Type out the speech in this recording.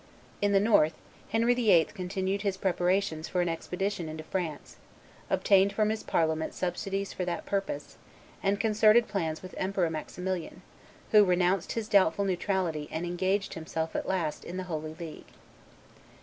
In the north, Henry VIII. continued his preparations for an expedition into France, obtained from his Parliament subsidies for that purpose, and concerted plans with Emperor Maximilian, who renounced his doubtful neutrality and engaged himself at last in the Holy League.